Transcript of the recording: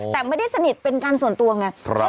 แต่ไม่ได้สนิทเป็นการส่วนตัวไง